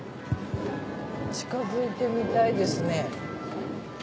近づいてみたいですね。